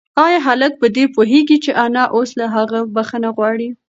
ایا هلک په دې پوهېږي چې انا اوس له هغه بښنه غواړي؟